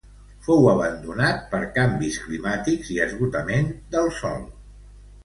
Fou abandonat per canvis climàtics i esgotament del sòl.